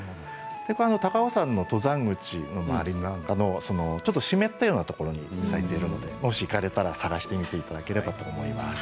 高尾山の登山口の周りなんかのちょっと湿ったようなところに咲いているのでもし行かれたら探して見ていただければと思います。